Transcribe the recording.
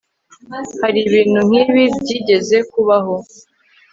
hari ibintu nk'ibi byigeze kubaho